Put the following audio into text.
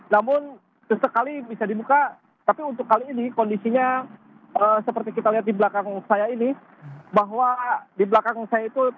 namun sesekali bisa dibuka tapi untuk kali ini kondisinya seperti kita lihat di belakang saya ini bahwa di belakang saya itu